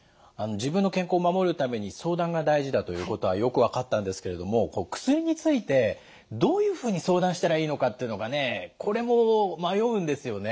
自分の健康を守るために相談が大事だということはよく分かったんですけれども薬についてどういうふうに相談したらいいのかっていうのがねこれも迷うんですよね。